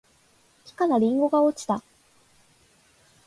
木からりんごが落ちた